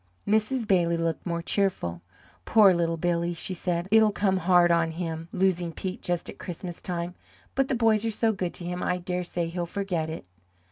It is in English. Mrs. Bailey looked more cheerful. "Poor little Billy!" she said. "It'll come hard on him, losing Pete just at Christmas time. But the boys are so good to him, I dare say he'll forget it."